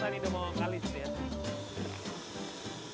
ini udah mau kalis